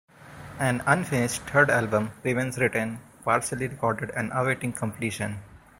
An unfinished third album remains written, partially recorded and awaiting completion.